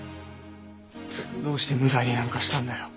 どうして無罪になんかしたんだよ。